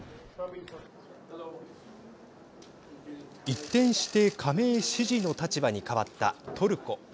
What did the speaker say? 一転して加盟支持の立場に変わったトルコ。